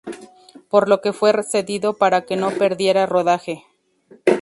Por lo que fue cedido para que no perdiera rodaje.